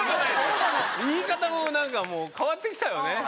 言い方もなんかもう変わってきたよね。